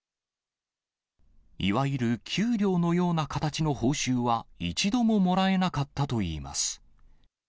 いわゆる給料のような形の報酬は一度ももらえなかったといいます。